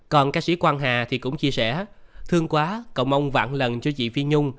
còn ca sĩ quang hà thì cũng chia sẻ thương quá cầu mong vạn lần cho chị phi nhung